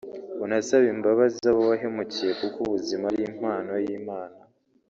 unasabe imbabazi abo wahemukiye kuko ubuzima ari impano y'Imana